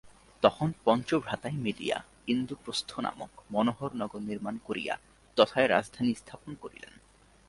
তখন পঞ্চভ্রাতায় মিলিয়া ইন্দ্রপ্রস্থ নামক মনোহর নগর নির্মাণ করিয়া তথায় রাজধানী স্থাপন করিলেন।